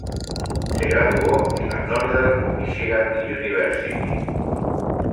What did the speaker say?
Se graduó en la Northern Míchigan University.